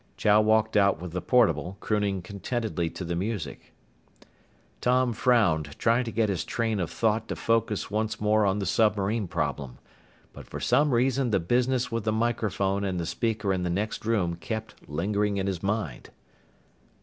Chow walked out with the portable, crooning contentedly to the music. Tom frowned, trying to get his train of thought to focus once more on the submarine problem. But for some reason the business with the microphone and the speaker in the next room kept lingering in his mind.